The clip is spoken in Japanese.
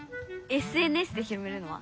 ＳＮＳで広めるのは？